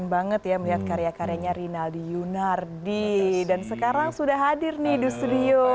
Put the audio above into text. tiga penghargaan sekaligus ya